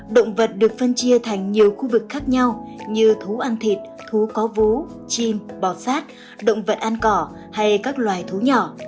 động vật được phân chia thành nhiều khu vực khác nhau như thú ăn thịt thú có vú chim bò sát động vật ăn cỏ hay các loài thú nhỏ